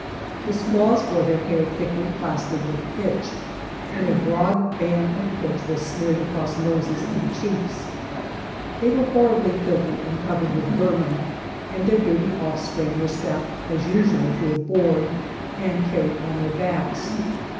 The. squaws wore their hair thickly plastered with pitch, and a broad band of pitch was 1% 126 BY ox TEAM TO CALIFORNIA smeared across noses and cheeks. They were horribly filthy and covered with vermin, and their dirty off spring were strapped as usual to a board, and carried on their backs.